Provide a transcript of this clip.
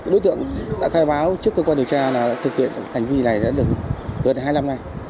đối tượng đã khai báo trước cơ quan điều tra là thực hiện hành vi này đã được gần hai năm nay